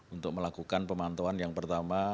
untuk melakukan pemantauan yang pertama